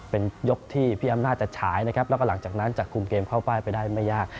เป็นยกที่พี่อำนาจจะฉายนะครับแล้วก็หลังจากนั้นจะคุมเกมเข้าป้ายไปได้ไม่ยาก